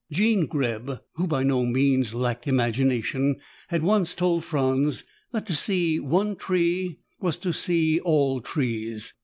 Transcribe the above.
Jean Greb, who by no means lacked imagination, had once told Franz that to see one tree was to see all trees.